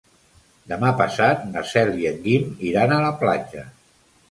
Demà passat na Cel i en Guim iran a la platja.